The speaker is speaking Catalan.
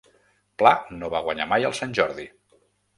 Pla no va guanyar mai el Sant Jordi.